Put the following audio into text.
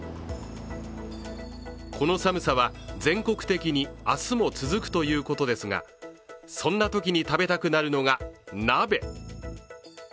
この寒さは全国的に明日も続くということですがそんなときに食べたくなるのが鍋。